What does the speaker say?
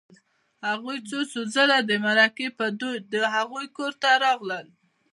هغوی څو څو ځله د مرکې په دود د هغوی کور ته راغلل